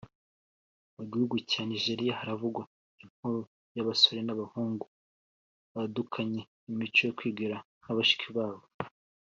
Mu gihugu cya Nigeria haravugwa inkuru y’abasore n’abahungu badukanye imico yo kwigira nka bashiki babo